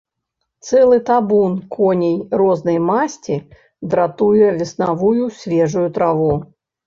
Цэлы табун коней рознай масці дратуе веснавую свежую траву.